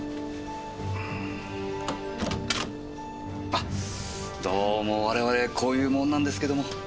あどうも我々こういう者なんですけども。